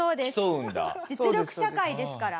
実力社会ですから。